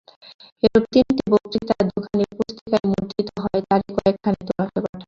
এইরূপ তিনটি বক্তৃতা দুখানি পুস্তিকায় মুদ্রিত হয়, তারই কয়েকখানি তোমাকে পাঠাই।